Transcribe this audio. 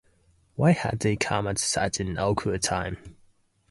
Why had they come at such an awkward time?